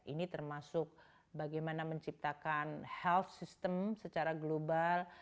ini termasuk bagaimana menciptakan health system secara global